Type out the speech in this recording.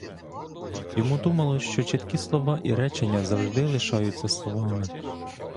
Йому думалося, що чіткі слова і речення завжди лишаються словами.